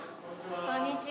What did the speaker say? こんにちは。